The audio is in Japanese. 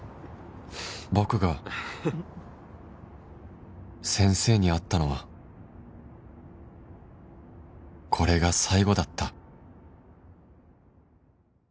僕が先生に会ったのはこれが最後だった